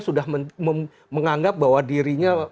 sudah menganggap bahwa dirinya